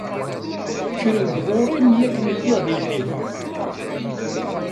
Kkren-d ɣur-i mi akken i lliɣ di lḥif.